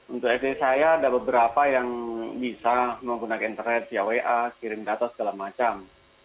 untuk sd saya ada beberapa yang bisa menggunakan internet via wa kirim data segala macam